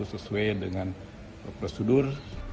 sesuai dengan prosedur